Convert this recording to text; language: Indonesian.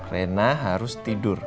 rena harus tidur